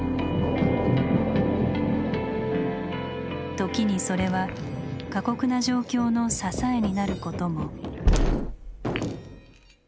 時にそれは過酷な状況の支えになることも。